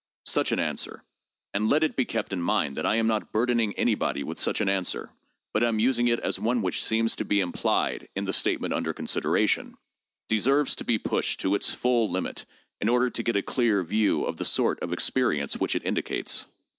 Such an answer— and let it be kept in mind that I am not bur dening anybody with such an answer, but am using it as one which seems to be implied in the statement under consideration— deserves to be pushed to its full limit in order to get a clear view of the sort of experience which it indicates.